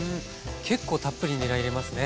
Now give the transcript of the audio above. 結構たっぷりにら入れますね。